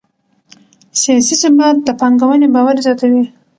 سیاسي ثبات د پانګونې باور زیاتوي